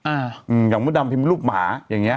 อ่าอืมอย่างมุดดำพิมพ์เป็นรูปหมาอย่างเงี้ย